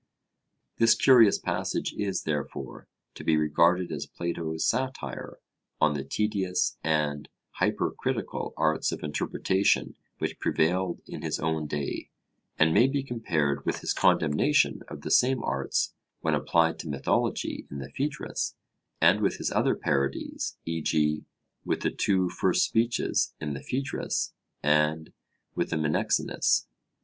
This curious passage is, therefore, to be regarded as Plato's satire on the tedious and hypercritical arts of interpretation which prevailed in his own day, and may be compared with his condemnation of the same arts when applied to mythology in the Phaedrus, and with his other parodies, e.g. with the two first speeches in the Phaedrus and with the Menexenus.